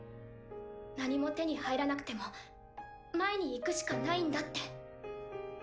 ・何も手に入らなくても前に行くしかないんだって。